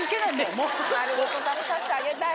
丸ごと食べさせてあげたい。